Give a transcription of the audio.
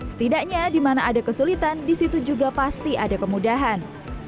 setidaknya di mana ada kesulitan di situ juga pasti ada kemudahan